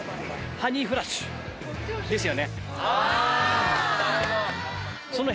ハニーフラッシュですよね！